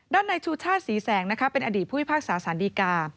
ด้านในชูชาสศรีแสงนะคะเป็นอดีตผู้วิพากษาสานดีกา